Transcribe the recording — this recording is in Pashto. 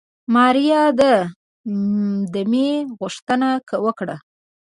ماريا د دمې غوښتنه وکړه.